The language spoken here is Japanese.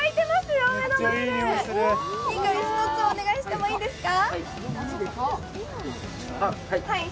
１つお願いしてもいいですか。